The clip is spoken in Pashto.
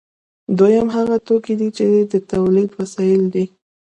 دویم هغه توکي دي چې د تولید وسایل دي.